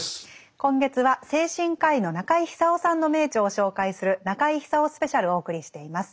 今月は精神科医の中井久夫さんの名著を紹介する「中井久夫スペシャル」をお送りしています。